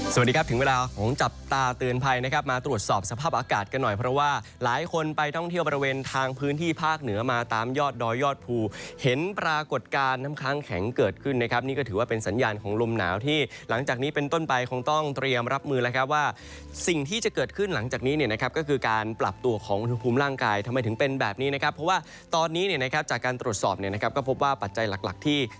สวัสดีครับถึงเวลาของจับตาเตือนภัยนะครับมาตรวจสอบสภาพอากาศกันหน่อยเพราะว่าหลายคนไปท่องเที่ยวบริเวณทางพื้นที่ภาคเหนือมาตามยอดดอยอดภูเห็นปรากฏการณ์น้ำค้างแข็งเกิดขึ้นนะครับนี่ก็ถือว่าเป็นสัญญาณของลมหนาวที่หลังจากนี้เป็นต้นไปคงต้องเตรียมรับมือแล้วครับว่าสิ่งที่